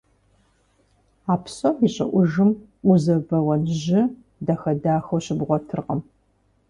А псом и щӀыӀужым узэрыбэуэн жьы дахэ-дахэу щыбгъуэтыркъым.